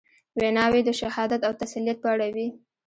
ویناوي د شهادت او تسلیت په اړه وې.